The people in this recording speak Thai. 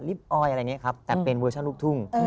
ออยอะไรอย่างนี้ครับแต่เป็นเวอร์ชันลูกทุ่ง